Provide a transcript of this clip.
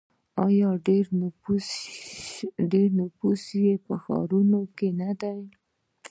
آیا ډیری نفوس یې په ښارونو کې نه دی؟